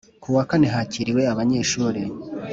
Ku wakane hakiriwe abanyeshuri